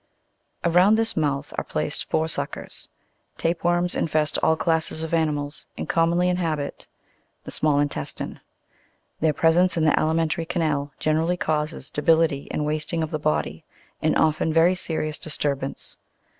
Around this mouth are placed four suckers. Tape worms infest all classes of animals, and commonly inhabit the small intestine. Their presence in the alimentary canal generally causes debility and wasting of the body, and often very serious disturbance.